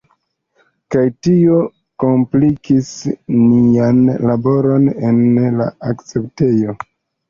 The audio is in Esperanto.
Kaj tio komplikis nian laboron en la akceptejo.